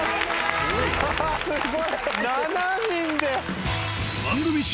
わすごい７人で。